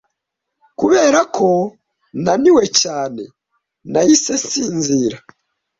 Kubera ko naniwe cyane, nahise nsinzira.